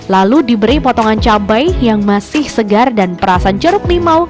lalu diberi potongan cabai yang masih segar dan perasan jeruk limau